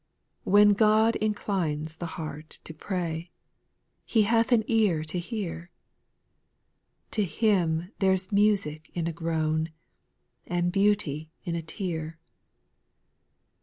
4. When God inclines the heart to pray, He hath an ear to hear ; To Him there 's music in a groan. And beauty in a tear.